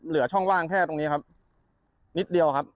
เหลือช่องว่างแค่ตรงนี้ครับนิดเดียวครับ